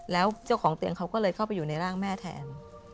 แล้วเจ้าของเตียงเขาก็เลยเข้าไปอยู่ในร่างแม่แทน